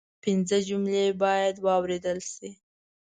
پنځه جملې باید واوریدل شي